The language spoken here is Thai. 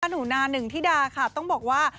หนูนาหนึ่งธิดาค่ะต้องบอกว่า